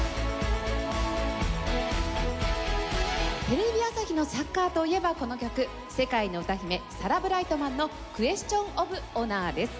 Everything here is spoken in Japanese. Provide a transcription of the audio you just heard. テレビ朝日のサッカーといえばこの曲世界の歌姫サラ・ブライトマンの『クエスチョン・オブ・オナー』です。